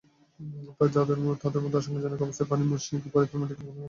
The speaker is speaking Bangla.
তাঁদের মধ্যে আশঙ্কাজনক অবস্থায় পাখি মুন্সিকে ফরিদপুর মেডিকেল কলেজ হাসপাতালে পাঠানো হয়েছে।